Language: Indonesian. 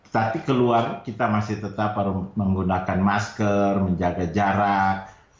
tapi keluar kita masih tetap menggunakan masker menjaga jarak